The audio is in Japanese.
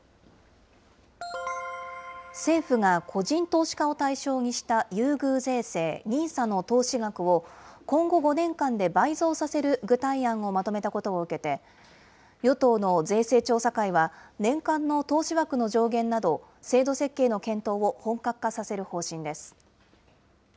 政府が個人投資家を対象にした優遇税制、ＮＩＳＡの投資額を今後５年間で倍増させる具体案をまとめたことを受けて、与党の税制調査会は、年間の投資枠の上限など、制度設計の検討を本格化させる方針です。